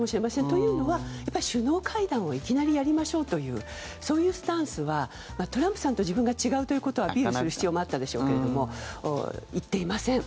というのは首脳会談をいきなりやりましょうというそういうスタンスはトランプさんと自分が違うということをアピールする必要もあったでしょうけれども言っていません。